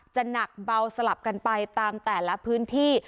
หนักเบาสลับกันไปตามแต่ละพื้นที่